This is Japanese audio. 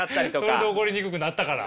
これで怒りにくくなったから。